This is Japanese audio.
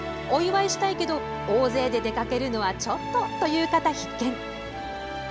お祝いしたいけど大勢で出かけるのはちょっとという方、必見！